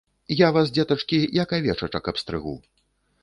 Я вас, дзетачкі, як авечачак абстрыгу.